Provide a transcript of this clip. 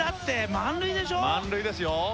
満塁ですよ。